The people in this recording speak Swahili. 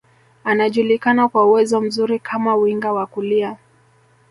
Anajulikana kwa uwezo mzuri kama winga wa kulia